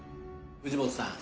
藤本さん